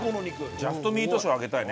ジャストミート賞あげたいね。